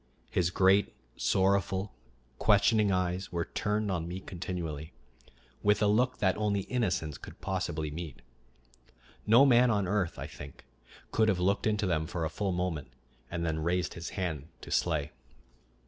His great, sorrowful, questioning eyes were turned on me continually, with a look that only innocence could possibly meet. No man on earth, I think, could have looked into them for a full moment and then raised his hand to slay.